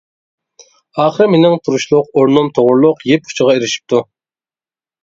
ئاخىرى مىنىڭ تۇرۇشلۇق ئورنۇم توغرىلىق يىپ ئۇچىغا ئېرىشىپتۇ.